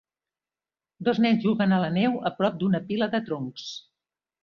Dos nens juguen a la neu a prop d'una pila de troncs.